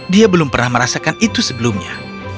dia belum pernah merasakan itu sebelumnya